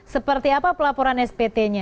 seperti apa pelaporan spt nya